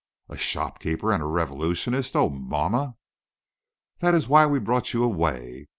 "A shop keeper and a revolutionist! Oh, mamma!" "That is why we brought you away.